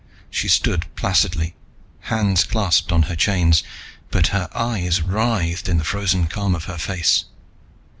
She stood placidly, hands clasped on her chains, but her eyes writhed in the frozen calm of her face.